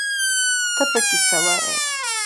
ته پکې څه وايې